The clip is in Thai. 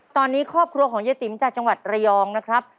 ตอนนี้ครอบครัวของเยติ๋มจากจังหวัดระยองนะครับ